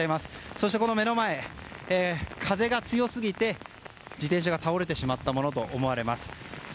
そして、目の前は風が強すぎて自転車が倒れてしまったものと思われます。